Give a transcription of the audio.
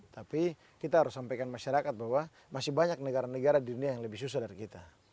tapi kita harus sampaikan masyarakat bahwa masih banyak negara negara di dunia yang lebih susah dari kita